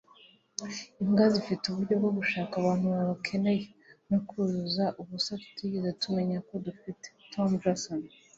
imbwa zifite uburyo bwo gushaka abantu babakeneye, no kuzuza ubusa tutigeze tumenya ko dufite - thom jones